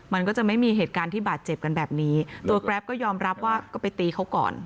มันก็จะไม่มีเหตุการณ์ที่บาดเจ็บกันแบบนี้ตัวแกรปก็ยอมรับว่าก็ไปตีเขาก่อน